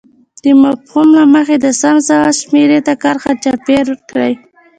د مفهوم له مخې د سم ځواب شمیرې ته کرښه چاپېر کړئ.